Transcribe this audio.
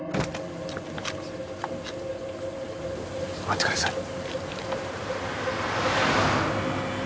待ってください。